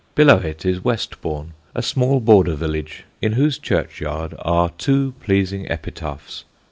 Below, it is Westbourne, a small border village in whose churchyard are two pleasing epitaphs.